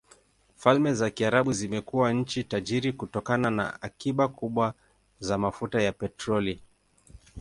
Falme za Kiarabu zimekuwa nchi tajiri kutokana na akiba kubwa za mafuta ya petroli.